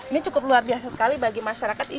ini cukup luar biasa sekali bagi masyarakat